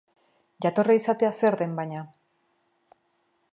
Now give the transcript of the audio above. Jatorra izatea zer den, baina.